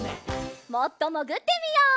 もっともぐってみよう。